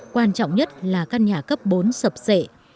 quan trọng nhất là các nhà cấp bốn sập dệ